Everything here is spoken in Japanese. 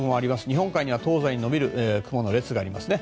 日本海には東西に延びる雲の列がありますね。